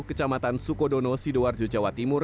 kecamatan sukodono sidoarjo jawa timur